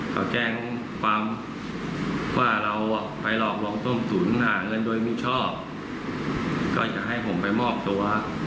เขาแจ้งว่าเราไปหลอกลองส้มสูญหาเงินโดยไม่ชอบก็อยากให้ผมไปมอบตัว